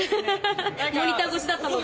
モニター越しだったので。